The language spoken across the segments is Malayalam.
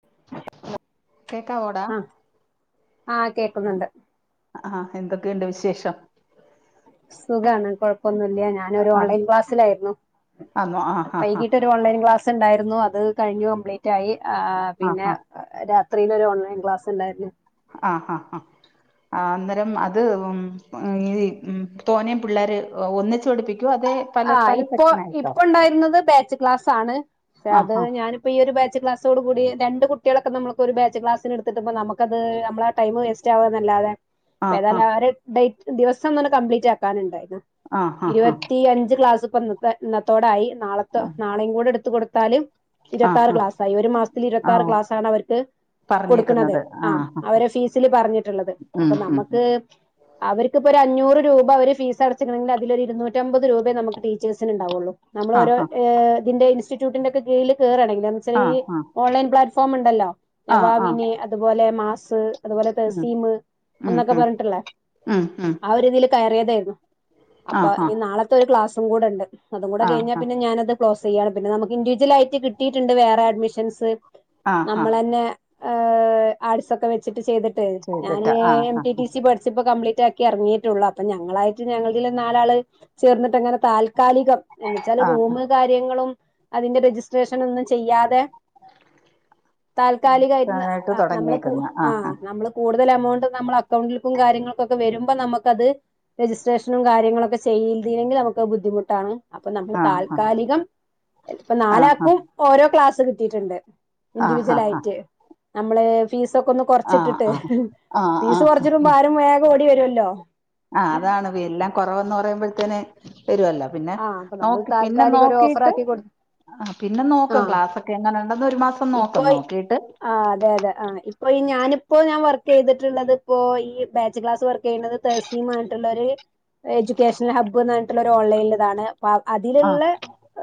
[inaudible] കേക്കാവോടാ? ആഹ് ആഹ് കേക്കുന്നുണ്ട് ആഹ് എന്തൊക്കെയുണ്ട് വിശേഷം സുഖാണ് കൊഴപ്പൊന്നുല്ല്യ ഞാനൊരു ആഹ് ഓൺലൈൻ ക്ലാസ്സിലായിരുന്നു ആന്നോ ആഹ് ആഹ് വൈകീട്ടൊ രു ഓൺലൈൻ ക്ലാസ്ണ്ടായിരുന്നു അത് കഴിഞ്ഞു കംപ്ലീറ്റായി ആ ആഹ് ആഹ് പിന്നെ അ രാത്രിയില് ഒരു ഓൺലൈൻ ക്ലാസ് ഉണ്ടായിരുന്നു ആഹ് ആഹ് ആഹ് ആ അന്നേരം അത് ഉം ഉം ഈ ഉം തോനെയും പിള്ളേരെ ഒന്നിച്ച് പഠപ്പിക്കുവോ അതെ പല ആഹ് പല ഇപ്പോ സെക്ഷനായിട്ടോ ഇപ്പൊ ഉണ്ടായിരുന്നത് ബാച്ച് ക്ലാസ് ആണ് പക്ഷെ അത് ആഹ് ഞാന് ഈ ഒരു ബാച്ച് ക്ലാസ്സോടു കൂടി രണ്ട് കുട്ടികളൊക്കെ നമുക്ക് ഒരു ബാച്ച് ക്ലാസിന് എടുത്തിട്ട് ഇപ്പൊ നമക്കത് നമ്മള് ആ ടൈം വേസ്റ്റ് റ്റാവ നല്ലാതെ ഇപ്പെ ആഹ് ഏതാണ്ട് അറ് ഡേറ്റ് ദിവസം തന്നെ കംപ്ലീറ്റ് ആക്കാനുണ്ടായിരുന്നു ആഹ് ആഹ് ഇരുപതി ഈ അഞ്ച് ക്ലാസ് ഇപ്പെ ഇന്നത്തെ ഇന്നത്തോടായി നാളത്തെ ആഹ് നാളെയും കൂടെ എടുത്ത് കൊടുത്താല് ഇരുപത്താറ് ആഹ് ക്ലാസ്സായി ഒരു മാസത്തിൽ ഇരുപത്താറ് ആഹ് ക്ലാസ് ആണ് അവർക്ക് കൊടുക്കണത് ആഹ് അവര് ഫീസില് പറഞ്ഞിട്ട് ഇള്ളത് ഉം അപ്പൊ ഉം നമ്മക്ക് അവർക്ക് ഇപ്പോ ഒരു അഞ്ഞൂറ് രൂപ അവര് ഫീസ് അടച്ച്ക്ക്ണെങ്കിൽ അതിൽ ഒരു ഇരുന്നൂറ്റ് റ്റമ്പത് രൂപേ നമുക്ക് ടീച്ചേഴ്സിന് ഇണ്ടാവുള്ളൂ നമ്മള് ഒരു ആഹ് എ ഇതിന്റെ ഇസ്റ്റിറ്റ്യൂട്ടിന്റെക്കെ കീഴില് കേറക ആണെങ്കിൽ എന്നുവെച്ചാൽ ഈ ആഹ് ഓൺലൈൻ പ്ലാറ്റ്ഫോം ഒണ്ടല്ലോ ആഹ് ആഹ് നവാഹിനി അ അതുപോലെ മാസ് അതുപോലെ ഉം തസീമ് ഉം എന്നൊക്കെ ഉം പറഞ്ഞിട്ടുള്ളേ ഉം ഉം ആഹ് ഒരിതില് കയറിയതായിരുന്നു അപ്പൊ ആഹ് ഇനി നാളത്തെ ഒരു ക്ലാസ്സും കൂടെ ഉണ്ട് അതും കൂടെ ആഹ് കഴിഞ്ഞാൽ ആഹ് പിന്നെ ഞാനത് കെ ക്ലോസ് ചെയ്യാണ് പിന്നെ നമുക്ക് ഇൻഡിവിജ്വൽ ആയിട്ട് കിട്ടീട്ടുണ്ട് വേറെ അഡ്മിഷൻസ് ആഹ് നമ്മളെന്നെ അഹ് ആട്സൊക്കെ വെച്ചിട്ട് ചെയ്തിട്ട് ഞാന് ചെയ്തിട്ട് ആഹ് എം ആഹ് ടി ടി സി പഠിച്ച് സിപ്പം കംപ്ലീറ്റ് ആക്കി എറങ്ങിയിട്ടുള്ളൂ അപ്പം ഞങ്ങളായിട്ട് ഞങ്ങളിതില് നാലാള് ചേർന്നിട്ട് അങ്ങനെ താൽക്കാലികം എന്ന് വെച്ചാല് ആഹ് റൂമ് കാര് ര്യങ്ങളും അതിന്റെ രജിസ്ട്രേഷൻ ഒന്നും ചെയ്യാ തെ താൽക്കാലികായിട്ട് ട്ട് നമ്മള് തുടങ്ങിയേക്കുന്ന് ആഹ് നമ്മള് കൂടുതൽ എമൗണ്ട് നമ്മള് അക്കൗണ്ടില്ക്കും കാര്യങ്ങൾക്കൊക്കെ വരുമ്പോ നമക്കത് രജിസ്ട്രേഷനും കാര്യങ്ങളൊക്കെ ചെയ്തീല്ലെങ്കി നമുക്ക് ബുദ്ധിമുട്ടാണ് അപ്പൊ നമ്മള് ആഹ് താൽക്കാലികം ഇപ്പൊ ആ ഹാ നാലാക്കും ഓരോ ക്ലാസ്സ് കിട്ടിയിട്ടുണ്ട് ആ ഹാ ഇൻഡിവിജ്വൽ ഹാ ആയിട്ട് നമ്മള് ഫീസൊക്കെ ഒന്ന് ആ കൊറച്ചിട്ടിട്ട് ആ ആ ആ ഫീസ് കൊറച്ചിടുമ്പോ ആരും വേഗം ഓടി വരുവല്ലോ ആഹ് അതാണ് ഫി എല്ലാം കെറവന്ന് പറയുമ്പഴത്തേന് വരുവല്ലോ പിന്നെ ആ അപ്പൊ നമ്മൾ നോക്ക് പിന്നെ താൽക്കാലിക ഒരു ഓഫർ നോക്കീട്ട് ആക്കി കൊടു ആഹ് പിന്നെ നോക്ക് ആ ക്ലാസൊക്കെ എങ്ങനെ ഒണ്ടെന്ന് ഒരു മാസം നോക്ക് ഇപ്പൊ നോക്കീട്ട് ആഹ് അതെ അതെ ആഹ് ഇപ്പൊ ഈ ഞാനിപ്പോ ഞാൻ വർക്ക് ചെയ്തിട്ടുള്ളത് ഇപ്പോ ഈ ബാച്ച് ക്ലാസ് വർക് ചെയ്യണത് തസീമായിട്ടുള്ളൊര് എഡ്യൂക്കേഷണൽ ഹബ്ബ് എന്ന് പറഞ്ഞിട്ടുള്ള ഒരു ഓൺലൈനിൽ താണ് വ ആ അതിലുള്ള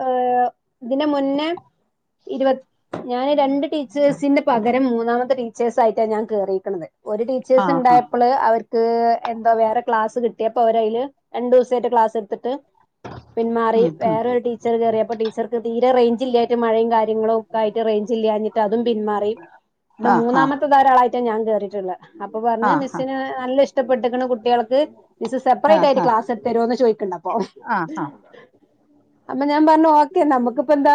ഏഹ് ഇതിനെ മുന്നേ ഇരുപത് ഞാന് രണ്ട് ടീച്ചേഴ്സിന്ന് പകരം മൂന്നാമത്തെ ടീച്ചേഴ്സ് ആയിട്ടാണ് ഞാൻ കേറിയെക്കണത് ഒരു ആ ടീച്ചേഴ്സ് ഹാ ഇണ്ടായപ്പള് അവർ ത് എന്താ വേറെ ക്ലാസ് കിട്ടിയപ്പോ അവര് അയില് രണ്ട് ദിവസായിട്ട് ക്ലാസ് എടുത്തിട്ട് പിന്മാറി ഉം, ഉം. വേറെ ഒരു ടീച്ചർ കയറിയപ്പോ ടീച്ചർക്ക് തീരെ റേഞ്ച് ഇല്ലായിട്ട് മഴയും കാ നിങ്ങള് ഉപ്പാക്കെ റേഞ്ച് ഇല്ലാഞ്ഞിട്ട് അതും പിന്മാറി ഇത് ആ ഹാ മൂന്നാമത്തെ ടെ ഒരാളായിട്ട ഞാൻ കേറിയിട്ടുള്ളെ അപ്പൊ ആ പറഞ്ഞ് ഹാ മിസ്സിന് നല്ല ഇഷ്ടപ്പെട്ടക്ക്ണു കുട്ടികൾക്ക് മിസ്സ്‌ സെപ്പറേറ്റ് ആയിട്ട് ക്ലാസ്സ്‌ എടുത്ത് തരുവോന്ന് ചോദിക്കണ്ടപ്പോ ആഹ് ആഹ് അപ്പെ ഞാൻ പറഞ്ഞു ഓക്കെ നമുക്കിപ്പെന്താ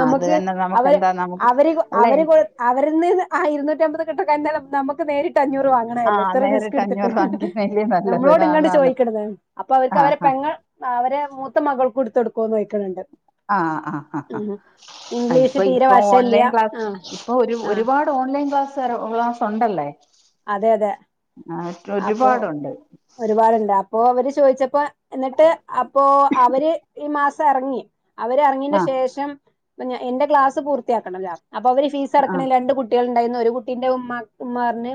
ആ, അത് തന്നെ നമുക്ക് അവര് എന്താ നമുക്ക് അവര് അല്ല അവര് ഇൻ- കൊ അവരിന്ന് ആ ഇരുന്നൂറ്റമ്പത് കിട്ടക്കഴിഞാ നമക്ക് നേരിട്ട് അഞ്ഞൂറ് വാങ്ങി ആ അല്ലേ എത്ര റിസ്ക് നേരിട്ട് എടുത്തിട്ട് അഞ്ഞൂറ് വാങ്ങിക്കുന്നതിലേ നല്ലത് നമ്മളോട് ഇങ്ങട്ട് ആന്നാന്ന് ചോദിക്കണത് അപ്പൊ അവർക്ക് ആ അവരെ ഹാ പെങ്ങൾ അവരെ മൂത്ത മകൾക്ക് എടുത്ത് കൊ ടുക്കുവേന്ന് ചോദിക്കണ ഉണ്ട് ആഹ് ആഹ് ആഹ് ഇംഗ്ലീഷ് ഇപ്പൊ തീരെ ഇപ്പൊ വശല്ല്യ ഓൺലൈൻ ക്ലാസ് ആ ഇപ്പൊ ഒരു ആ ഒരുപാട് ഓൺലൈൻ ക്ലാസ്കാര് ക്ലാസ് ഒണ്ടല്ലേ അതെ അതെ ആഹ് അപ്പൊ ഒരുപാടുണ്ട് ഒരുപാടുണ്ട് അപ്പൊ അവര് ചോദിച്ചപ്പോ എന്നിട്ട് അപ്പൊ അവര് ഈ മാസം എറങ്ങി അവര് എറങ്ങിന്റെ ആ ശേഷം എന്റെ ക്ലാസ് പൂർത്തിയാക്കണം അല്ലേ അപ്പൊ അവര് ഫീസ് ആ അടക്കണെല് എന്റെകുട്ടി കുട്ടികൾ ഉണ്ടായിരുന്നു ഒരു കുട്ടിന്റെ ഉമ്മ ഉമ്മ പറഞ്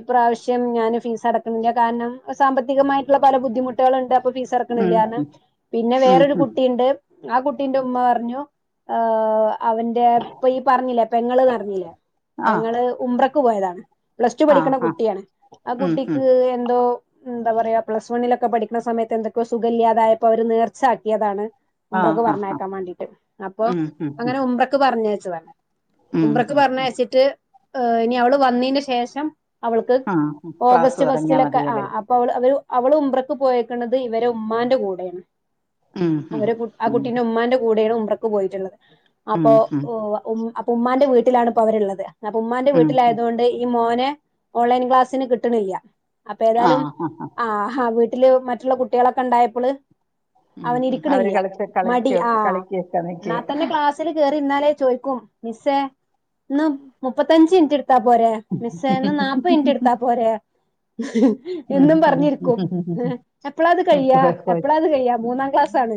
ഇപാവശ്യം ഞാൻ ഫീസ് അടക്ണി ല്ല കാരണം സാമ്പത്തികമായിട്ട് ള്ള പല ബുദ്ധിമുട്ടുകൾ ഉണ്ട് അപ്പൊ ഫീസ് അട ഉം ക്കണില്യാന്ന് ഉം പിന്നെ ഉം വേറൊരു ഉം കുട്ടിയിണ്ട് ആ കുട്ടീന്റെ ഉമ്മ പറഞ്ഞു ആ അവൻ എ പ്പൊ ഈ പറഞ്ഞില്ലേ പെങ്ങള്ന്നാർഞ്ഞില്ലേ ആ പെങ്ങൾ ഉംറ ക്ക് പോയതാണ് പ്ലസ് ടു ആ പഠിക്കണ ആ കുട്ടിയാണ് ആ ഉം ഉം കുട്ടിക്ക് എന്തോ എന്താ പറയാ പ്ലസ് വണ്ണിലൊക്കെ പഠിക്കണ സമയത്ത് എന്തൊക്കെയോ സുഖഇ ല്ലാതായപ്പോഅവര് നേർച്ചാക്കിയതാണ് ആ ഉംറ ക് ആ ആ പറഞാക്കാൻ വേണ്ടിട്ട് അപ്പൊ ഉം ഉം ഉം അങ്ങനെ ഉംറ ക് പറഞ്ഞച്ചതാ ഉം ഉംറ ക് ഉം പറഞ്ഞ അയച്ചിട്ട് ഹ് ഇനി അവള് വന്നതിന് ശേഷം അവൾക്ക് ആ ക്ലാസ് ഓഗസ്റ്റ് തുടങ്ങിയാ ഫസ്റ്റിലൊക്കെ ആ മതിയല്ലേ അപ്പ അവള് അവര് അവള് ഉംറ ക്ക് പോയേക്കണത് ഇവരെ ഉമ്മാന്റെ കൂടെയാണ് ഉം ഉം അവര് കു ആ ഉം കുട്ടീന്റെ ഉമ്മാന്റെ കൂടെയാണ് ഉംറ ക്ക് പോയിട്ടുള്ളത് ഉം അപ്പൊ ഉം ഉ അപ്പൊ ഉമ്മാന്റെ വീട്ടിലാണിപ്പോ അവരുള്ളത് അപ്പ ഉമ്മാന്റെ ഉം ഉം വീട്ടിലായത് കൊണ്ട് ഈ മോനെ ഓൺലൈൻ ക്ലാസിന് കിട്ടണില്യ അപ്പ ഏതായാലും ആ ഹ വ് ട്ട്ല് മറ്റുള്ള കുട്ടികളൊക്കെ ഉണ്ടായപ്പ ള് ഉം അവൻ ഉം അവര് ഇരിക്കണില്ല കളിച്ച് മടി കളിക്കും ആ കളിക്കൊക്കെ ന്നാ നിക്കും തന്നെ ക്ലാസ് ച്ല് കേറി ഇര്ന്നാലേ ചോയ്ക്കും മിസ്സ ഇന്ന് മുപ്പത്തഞ്ച് മിനിറ്റ് എടുത്താ പോരെ മിസ്സേ ഇന്ന് നൽപ് മിനിറ്റ് എടുത്താ പോര ഉം ഉം എന്നും ഉം പറഞ്ഞിരിക്കും ഏ എപ്പളാ ത് ഉം കഴിയ ഉം എപ്പളാ ത് കഴിയാ മൂന്നാം ക്ലാസ് ആണ്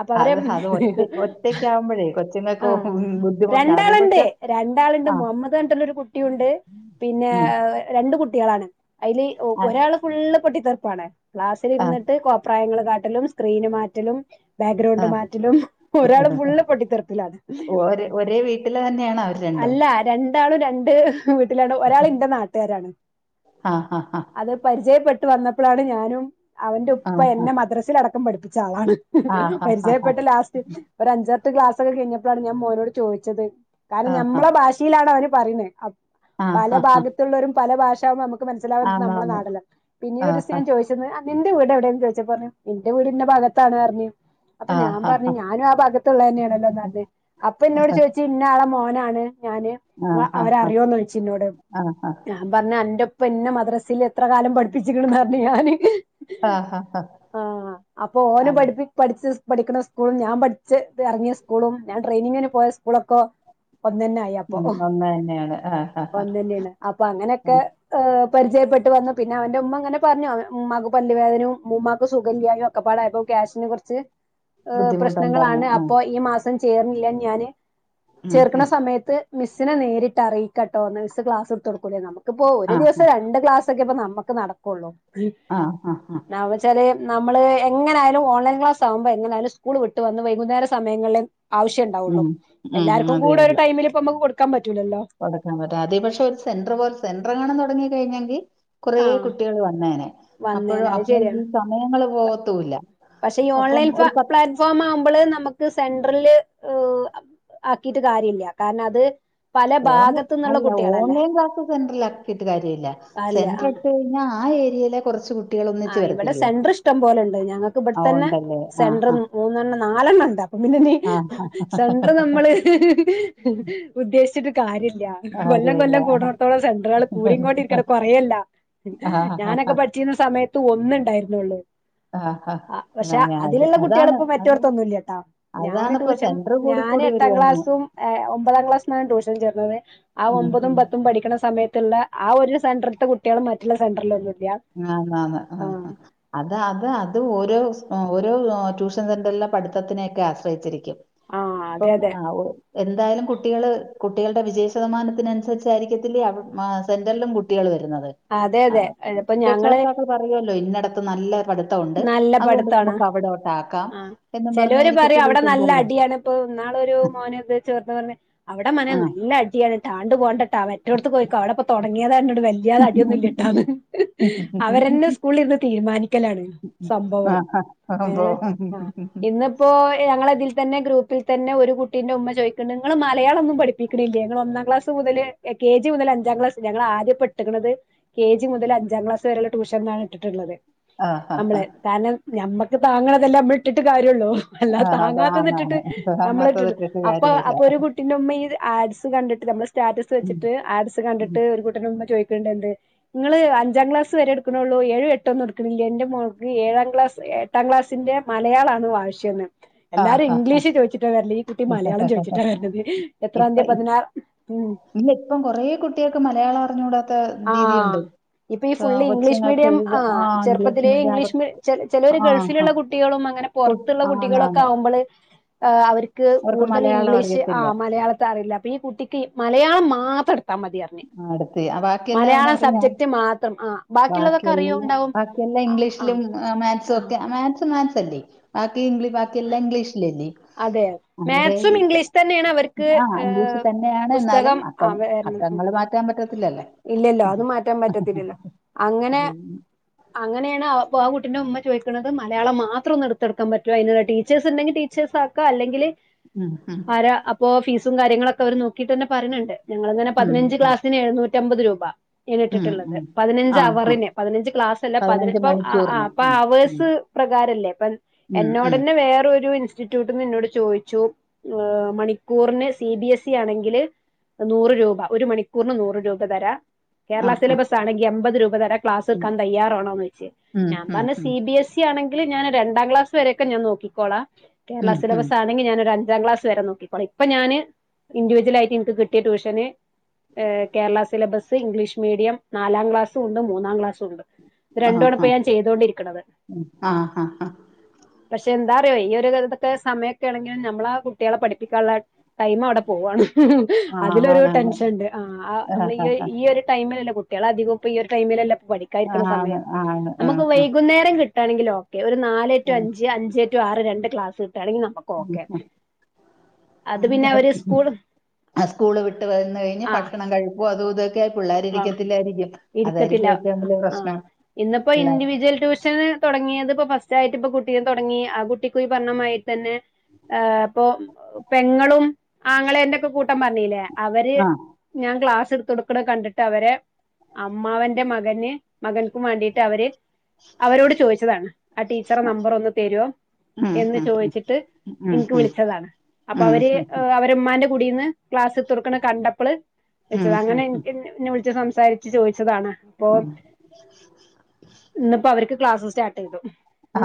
അപ്പൊ അവര് അത് അത് ഒറ്റ ഒറ്റയ്ക്കാവുമ്പോഴേ കൊച്ചുങ്ങൾക്ക് ആഹ ബുദ്ധിമുട്ടാ അത് രണ്ടാളുണ്ട് പക്ഷെ രണ്ടാളുണ്ട് ആ മുഹമ്മദ് പറഞ്ഞിട്ട് ള്ളരു കുട്ടിയുണ്ട് പിന്നെ ഉം രണ്ട് കുട്ടികളാണ് അതില് ആ ഒരാള് ഫുള് പൊട്ടിത്തെർപ്പാണ് ക്ലാസ്സിൽ ആ ഇരിന്നിട്ട് പ്രായങ്ങളൾ കാട്ടലും സ്ക്രീന് മാറ്റലും ആ ബാക്ക്ഗ്രൗണ്ട് മാറ്റ ലും ഒരാൾ ഫുള്ള് പൊട്ടിത്തെറപ്പിലാണ് വീട്ടിൽതന്നെയാണോ അവര് രണ്ടും രണ്ടാളും രണ്ട് വീട്ടിലാണ് ഒരാൾന്റെ നാട്ടിൽ ആഹ് ആഹ് ആഹ് അത് പരിചയപ്പെട്ടു വന്നപ്പോഴാണ് ഞാനും അവന്റെ ആ ആ ഉപ്പ എന്നെ മദ്രസൽടക്കം പഠിപ്പിച്ച ആളാണ് ആ ഹ്. ആ ആ പരിചയപ്പെട്ട ലാസ്റ്റ് ഒരു അഞ്ചട്ട് ക്ലാസ് ക്കഴിഞ്ഞപ്പോഴാണ് ഞാൻ മോനോ ട് ചോദിച്ചത് ആ കാരണം നമ്മളെ ഭാഷ ച്ചിയിലാണ് അവന് പറയുന്നത് ആ പല ആ ആ ഭാഗത്തുള്ളവരും പല ഭാഷ നമുക്ക് മനസിലാകുന്നത് നമ്മള ആന്നാന്ന് നാട്ല്ലേ പിന്നീട് ഒരു ദിവസ ആഹാ ഞാൻ ചോദിച്ചു നിന്റെ വീട് എവിടെന്ന് ചോദിച്ചപ്പോൾ പറഞ്ഞു ഇ ന്റെ വീട് ഇന്ന ഭാഗത്താണ് അറിഞ്ഞു അപ്പൊ ഞാൻ ആഹാ പറഞ്ഞു ഞാനും ആ ഭഗത്തുള്ളത് തന്നെയാണല്ലോ ന്നാൽ അപ്പൊ എന്നോട് ആഹാ ചോദിച്ചു ഇന്നാളെ മോനാണ് ഞാന് ആഹ് ആഹ് അവരറിയോന്ന് ചോദിച്ചു എന്നോട് ആഹ് ആഹ് ഞാൻ പറഞ്ഞ അ ന്റെ ഉ പ്പ എന്നന്നെ മദ്രസയിൽ എത്ര കാലം പഠിപ്പിച്ചിക്കണന്ന് പറഞ്ഞ് ഞാന് ആ ആ ആ ആ ആ ആഹ അപ്പൊ ആ ആ. ഓന പഠിപ്പി പഠിച്ച് പഠിക്കുന്ന സ്കൂളും ഞാൻ പഠിച്ച് ഇറങ്ങിയ സ്കൂളും ഞാൻ ട്രെയിനിങ്ങിന് പോയ സ്കൂളൊക്കെ ഒന്നന്നെ ആയി അപ്പൊ ഉം ഒന്ന് തന്നെയാണ് ആഹാഹാ ഒന്നന്നെയാണ് അപ്പൊ ആ ആ ആ. അങ്ങനെയൊക്കെ ഹ് പരിചയപ്പെട്ട് വന്നു പിന്നെ അവന്റെ ഉമ്മ ങ്ങനെ പറഞ്ഞു ഉമ്മാക്ക് പല്ലുവേദനയും ഉമ്മു മാക്ക് സുഗല്യായോ ഒക്കപ്പാടായപ്പൊ ക്യെഷ്ന് കൊർച് എ ബുദ്ധിമുട്ടുണ്ടെന്ന് പ്രശ്നങ്ങളണ് ആ അപ്പൊ ഈ മസ് ചേർന്നില്ല ഞാന് ഉം ചേർക്ക്ണ ഉം സമയത്ത്. മിസിന് നേരിട്ടറിയിക്കട്ടോന്ന് മിസ് ക്ലാസ് എടുതൊട്കൂലേ നമുക്ക്പ്പോ ഒരു ആ ദിവസ രണ്ട് ക്ലാസ് ക്കെപ്പൊ നമ്മക്ക് നട്ക്കൊള്ളൂ. ആഹ് ആഹ് ആഹ് ന്നാ വച്ചാല് നമ്മള് എങ്ങനായാലും ഓൺലൈൻ ക്ലാസ് ആലുമ്പോ എങ്ങനായാലും സ്കൂൾ വിട്ട് വന്ന് വൈകുന്നേര സമയങ്ങള് ആവശ്യംണ്ടാവുള്ളൂ ഉം ഉം എല്ലാർക്കും കൂടെ ഉള്ളൂ ഒരു ടൈമിലപ്പ നമ്മക്ക് കൊടുക്കാൻ പറ്റൂലല്ലോ. [unintelligible] അതേ പക്ഷെ ഒരു സെൻ്റർ പോലെ സെ ൻ്ററെങ്ങാൻതുടങ്ങി കഴിഞ്ഞെങ്കിൽ കുറേ ആ കുട്ടികൾ വന്നേനെ അപ്പോഴോ വന്നേനെ അത് അപ്പോ ശരിയാണ് ഈ സമയങ്ങൾപോകത്തൂല്ല. പക്ഷെ ഈ ഓൺലൈൻപ്ല പ്ലാറ്റ് ഫോമാവുമ്പള് നമക്ക് സെൻട്രല് ആക്കിട്ട് കാര്യല്ല കാരണം അത് പല ഭാഗത്തു നിന്നുള്ള ഓൺലഅല്ല കുട്ടികളല്ലേ ഓൺലൈൻ ക്ലാസ്സ് സെന്ററിലാക്കിട്ട് കാര്യല്ല അല്ല ആ സെന്ററെപ്പോഴും ന്നാ ആ ഏര്യേലാ കൊർച്ച് കു ആ ഇവടെ സെന്റർഷ്ടം പോലെണ്ട് ഞങ്ങക്ക് ആ ഇപട്ത്തെന്നെ ഉണ്ടല്ലേ ആ സെന്റർ ഹാ മൂന്നെണ്ണം നാലെണ്ണണ്ട് അപ്പൊപിന്നെനി ആ ഹാ സെൻ്റർനമ്മള് ഉദ്ദേശിച്ചിട്ട് കാര്യല്ല കൊല്ലം കാര്യമില്ല കൊല്ലം ആ കൂട്ണോട്ത്തോളം സെൻ്ററാള് കൂടിംകൊണ്ടിരിക്കാണ് കൊറയല്ല ഹാ ഞാനൊക്കെ പഠ് ച്ചീന്ന സമയത്ത് ഒന്ന്ണ്ടായ്ര്ന്നൊള്ളു ഹാ ആ പക്ഷെ അതാണ് അതില്ള്ള കുട്ട്യാള് അതാണ് പ്പോ മറ്റോട്ത്തൊന്നുല്ലട്ടോ ഞാന് അതാണ് ഇപ്പൊ ടൂഷം സെന്റർ കൂടി ഞാന് കൂടി എട്ടാം വരുവാന്ന് ക്ലാസ്സും ഒമ്പതാം ക്ലാസ്സ്ന്നാണ് ട്യൂഷൻ ചേർന്നത് ആ ഉം ഒമ്പതും ഉം പത്തും പഠിക്ക്ണ സമയ ത്ത്ള്ളെ ആ ഒരു സെന്റർത്തെ കുട്ട്യാള് മറ്റുള്ള സെന്റർലൊന്നുംല്ല ആ മാ മ് അത് അത് അത് ഓരോസ് ഓരോ ട്യൂഷൻ സെന്ററിലെ പട്ത്തത്തിനൊക്കെ ആശ്രയിച്ചിരിക്കും ആ അതെ ഇപ്പം അതെ അ ഒ എന്തായാലും കുട്ടികള് കുട്ടികളുടെ വിജയ ശതമാനത്തിന് അനുസരിച്ചായിരിക്കത്തില്ലേ അവ് ആ സെൻ്ററിലും കുട്ടികള് വരുന്നത് ആ, അതെതെ രക്ഷകർത്താക്കൾ പറയല്ലോ ഇന്നടത്ത് നല്ല പട് ത്തൊണ്ട് നല്ല അതോണ്ട് പഠിത്താണ് നമുക്ക് അവിടോട്ടാക്കാം ആഹ് എന്നും പറഞ്ഞായിരിക്കത്തില്ലേ [unintelligible] പ്പൊ ന്നാളൊരു മോന് ദേ ചെർത് പർഞ് അവടെ മനെ ആഹ് നല്ല അട്യാണ് ട്ടാണ്ട് പോണ്ടട്ടാ മറ്റോട്ത്ത്ക്പൊയ്കോ അവിടെപ്പൊ തൊടങ്ങിയതാന്നോട് വ യാളെ അടിയൊന്നുല്ലട്ടോന്ന് അവരെന്നെ സ്കൂളിലിര്ന്ന് തീരുമാനിക്കലാണ് സംഭവം ആഹ് ഏ ആ ഇന്ന് പ്പോ ഞങ്ങളെതിൽ തന്നെ ഗ്രൂപ്പിൽത്തെന്നെ ഒരു കുട്ടീന്റെ ഉമ്മ ചോയ്ക്ക്ണ്ട് ങ്ങൾ മലയാളൊന്നും പട്പ്പി പ്പിക്ക്ണില്ലേ ങ്ങള് ഒന്നാംക്ലാസ് മുതല് കെ ജി മുതല് അഞ്ചാം ക്ലാസ് ഞങളാദ്യപ്പട്ട്ക്ക്ണത് കെ ജി മുതല് അഞ്ചാംക്ലാസ് വരെള്ള ട്യൂഷൻന്നാണ് ഇട്ടിട്ട്ള്ളത് ആഹ് ആഹ് നമ്മള് കാരണം ഞമ്മക്ക് താങ്ങണ്തല്ലേ ഞമ്മള് ഇട്ടിട്ട് കാര്യോള്ളൂ അല്ലാതെ ആഹ് താങ്ങാത്തത് അതാണ് ഇട്ട്ട്ട് [unintelligible] അപ്പൊ അപ്പൊ ഒരു കുട്ടിന്റുമ്മ ഈ ആഡ്സ് കണ്ട്ട്ട് നമ്മള് സ്റ്റാറ്റസ് ഉം വെച്ചിട്ട് ആഡ്സ് കണ്ട് ഉം. ട്ട്ഒരു കുട്ടിന്റെ മ്മ ചോയ്ക്ക്ണ്ടെന്ത് ങ്ങള് അഞ്ചാം ക്ലാസ് വെരെ ഇട്ക്ക്ണൊള്ളൂ ഏഴും എട്ടൊന്നും ഇട്ക്ക്ണില്ലേ ന്റെ മോൾ ക്ക് ഏഴാം ക്ലാസ് എട്ടാം ക്ലാസ്സിന്റെ മലയാളാണ് വാശ്യന്ന് ആ എല്ലാരും ഹാ ഹാ. ഇംഗ്ലീഷ് ചോയ്ച്ച്ട്ടാവെര്ല് ഈ കുട്ടി മലയാളം ചോയ്ച്ച്ട്ടാ വെര്ണത് ഇപ്പ എത്രാന്ത്യ ഇ പതിനാ ഉം ഇല്ല ഇപ്പം കൊറെ കുട്ട്യാക്ക് മലയാളം അറിഞ്ഞുടാത്ത ആഹ് രീതിണ്ട് ഇപ്പൊ ഈ ഫുള്ള് ഇംഗ്ലീഷ് മീഡിയം ആ ഇംഗ്ലീഷ് ചെറുപ്പത്തിലേ മീഡിയം അവർ ഇംഗ്ലീഷ് മീ ചെലോര് ആഹ് ഹാ ഗൾഫില്ള്ള കുട്ടികളും അങ്ങനെ കു പൊർത്ത്ള്ള ആന്നാന്ന് കുട്ടികളൊക്കാവുമ്പള് ആ അവര്ക്ക് അവർക്ക് കൂടുതല് മലയാളം ഇംഗ്ലീഷ് ആ അറിയത്തില്ല. മലയാളത്തെറിയില്ല അപ്പൊ ഈ കുട്ടി ട്ടി മലയാളം മാത്രട്ത്താ മതിർഞ് ആ [unintelligible] അവ മലയാളം സബ്ജക്ട് മാത്രം ആ ബാക്കിയെല്ലാം ബാക്കിയെല്ലാം ഇംഗ്ലീഷിലും ആഹ് മാത്സും ആഹ് ഒക്കെ മാത്സ് മാത്സല്ലേ ബാക്കി ഇംഗ്ലി ബാക്കെല്ലാംഇംഗ്ലീഷിലല്ലേ അതെ അന്നേരെ മാത്സും ഈ ഇംഗ്ലീഷ് തന്നെയാണ് അവർക്ക് ആ ഇംഗ്ലീഷ് ഏഹ് തന്നയാണ് ന്നാലും പുസ്തകം അ ക്കം ആഹ് അക്കങ്ങള് മാറ്റാൻ പറ്റത്തില്ലല്ലേ ഇല്ലല്ലോ അത് മാറ്റാൻ പറ്റത്തില്ലല്ലോ ഉം അങ്ങനെ അങ്ങനേണ് ആ ആ കുട്ടിന്റെ മ്മ ചോയ്ക്ക്ണത് മലയാളം മാത്രൊന്ന് ട്ത്തൊടുക്കാൻ പറ്റോ അത്ന്ള്ള ടീചേഴ്സ്ണ്ടെങ്കി ടീ ചേസാക്കാ അല്ലെങ്കില് ഉം ആരാ അപ്പോ ഫീസും കാര്യങ്ങളൊക്കെ അവര് നോക്കീട്ടെന്നെ പറയ്ണ് ണ്ട് ഞങ്ങള്ങ്ങനെ ഉം പതിനഞ്ച് ഉം. ക്ലാസിന് എഴുന്നൂറ്റമ്പത് രൂപ ഉം ഇയ്ന്ട്ട്ട്ട്ള്ളത് ഉം പതിനഞ്ച് ആ ആ അവറിന് പതിനഞ്ച് ക്ലാസ്സല്ല പതിന പതിനഞ്ച് പ്പ അ മണിക്കൂറിന് പ്പ ഉം ഉം അവേസ് പ്രകാരല്ലേ പ്പെൻ ഉം ഉം എന്നോടെന്നെ വേറൊരു ൻസ് ഇൻസ്റ്റിറ്റ്യൂട്ട്ന്ന് ന്നോട് ചോയ്ച്ചു ആ മണിക്കൂറിന് സി ബി എസ് ഇ ആണെങ്കില് നൂറ് രൂപ ഒരു മണിക്കൂറിന് നൂറ് രൂപ തെരാ ആ കേരള ആ സിലബസാണെങ്കി എൺപത് രൂപ തെരാ ക്ലാസ് ഉം എടുക്കാൻ തയ്യാണോന്നോയ്ചെ ഉം ഞാൻ ഉം പറഞ്ഞ് ഉം സി ബി എസ് ഇ ആണെങ്കില് ഞാന് രണ്ടാം ക്ലാസ്സ് വെരെയൊക്കെ ഞാൻ നോക്കിക്കോളാ കേരള ഉം ഉം സിലബസാണെങ്കി ഞാനൊരു അ ഞ്ചാ ക്ലാസ്സ് വരെ നോക്കിക്കോള ഇപ്പ ഞാന് ഇന്ത്വിവിജ്വലായിട്ട് ഇൻക്ക് കിട്ടിയ ട്യൂഷന് ഏഹ് കേരളാ സിലബസ് ഇംഗ്ലീഷ് മേഡിയം നാലാം ക്ലാസ്സും ഉണ്ട് മൂന്നാം ക്ലാസ്സും ഉണ്ട് ഇത് രണ്ടു ആണ് ഇപ്പ ഞാൻ ചെയ്തോണ്ടിരിക്ണത് ആഹ് ആഹ് ഹ പക്ഷെ എന്താറിയോ ഈ ഒരു [unintelligible] ട്ട് സമയൊക്കേണെങ്കിലും നമ്മളാ കുട്ട്യാളെ പഠിപ്പിക്കാള്ളെ ടൈം അവിടെ പോവാണ് ആ അതിലൊരു ആണാണ് ടെൻഷൻണ്ട് ആഹ് ആ അഹ് ഈ ആ ഈ ഒരു ടൈമിലല്ലെ കു കുട്ട്യാള് അധികോം ഇപ്പ ഈ ഒരു ടൈമിലല്ല ആ പഠിക്കാരിഇരിക്ക്ണ ആണ് സമയം ആണ് ആ നമുക്ക് ആ ആ വൈകുന്നേരം കി ട്ടാണെങ്കിൽ ഓക്കെ നാല് ടു ഉം അഞ്ച് അഞ്ച് ടു ആറ് രണ്ട് ക്ലാസ് കിട്ടാണെങ്കി നമ്മക്ക് ഉം ആഹ് പിന്നെ അന്നേരം അവര് സ്കൂൾ ആ സ്കൂള് വിട്ട് വന്ന് കഴിഞ്ഞ് ആഹ് ഭക്ഷണം കഴിപ്പും അതുഇതുക്കെ ആഹ് ഇരിക്കത്തില്ല ഏറ്റവും വലിയ ആഹ് പ്രശ്നം ഇന്ന്പ്പോ പിള്ളേർ ഇൻഡിവിജ്വൽ ട്യൂഷന് തുടങ്ങിയത് ഇപ്പൊ ഫസ്റ്റ് ആയിട്ട് ഇപ്പൊ കുട്ടീയെ തൊടങ്ങി ആ കുട്ടിക്കു ഈ പറഞ്ഞമാതിരി തെന്നെ ഏഹ് പ്പോ പെങ്ങളും ആങ്ങളേന്റെ ഒക്കെ കൂട്ടം പറഞ്ഞീല്ലേ അവര് ആ ഞാൻ ക്ലാസ് ഇടത്തോട്ക്ക്ണ് കണ്ടിട്ട് അവരെ അമ്മാവന്റെ മകന് മകൻക്കും മാണ്ടീട്ട് അവര് അവരോട് ചോയിച്ചതാണ് ആ ടീച്ചറെ നമ്പറൊന്ന് തെരോ ഉം എന്ന് ഉം ചോയിച്ചിട്ട് ഉം ഇൻക്ക് ഉം വിളിച്ചതാണ് അപ്പൊ ഉം അവര് ഉം ഉം അവ ര് ഇമ്മാന്റെ കൂടിന്ന് ക്ലാസ്ത്തൊട്ക്ക്ണ കണ്ടപ്പള് ഉം വിൾച്ചതാ ഉം അങ്ങനെ ഇൻ ഉം ഇൻ ഇന്നെ വിളിച്ച് സംസാരിച്ച് ചോയിച്ചതാണ് ആഹ് ഇന്ന്പ്പോ അവര്ക്ക് ക്ലാസ്സ് സ്റ്റാർട്ടൈതു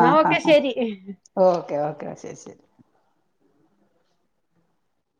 ആഹ് ആഹ് ഹ ഓക്കെ ഓക്കെ ശരി ശരി